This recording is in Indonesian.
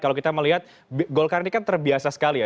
kalau kita melihat golkar ini kan terbiasa sekali ya